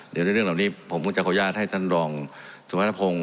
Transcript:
ในเรื่องเหล่านี้ผมก็จะโขยาตให้ท่านรองสุภาพงศ์